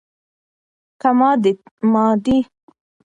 که مادیې ته ارزښت ورکوو، نو پوهه ساه نیسي.